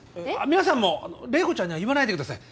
皆さんも麗子ちゃんには言わないでください。